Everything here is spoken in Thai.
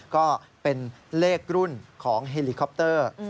ก็เป็นเลขรุ่นของเฮลิคอปเตอร์